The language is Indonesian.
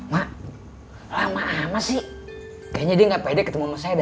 mak lama lama sih kayaknya dia gak pede ketemu sama saya